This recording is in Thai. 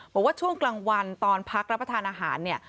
บอกว่าช่วงกลางวันตอนพักรับประทานอาหารเนี่ย